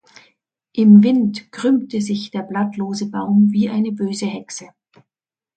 Im Wind krümmte sich der blattlose Baum wie eine böse Hexe.